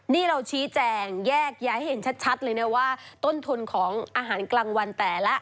นี่เราชี้แจงแยกย้ายให้เห็นชัดเลยนะว่าต้นทุนของอาหารกลางวันแต่ละ